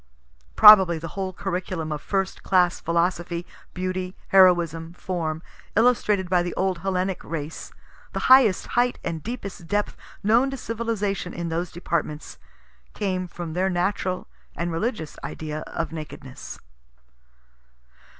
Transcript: (Probably the whole curriculum of first class philosophy, beauty, heroism, form, illustrated by the old Hellenic race the highest height and deepest depth known to civilization in those departments came from their natural and religious idea of Nakedness.)